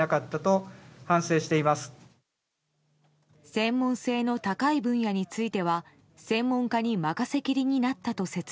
専門性の高い分野については専門家に任せきりになったと説明。